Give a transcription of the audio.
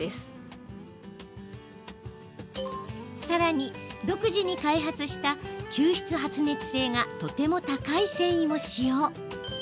さらに、独自に開発した吸湿発熱性がとても高い繊維も使用。